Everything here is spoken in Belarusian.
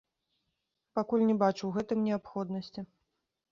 Пакуль не бачу ў гэтым неабходнасці.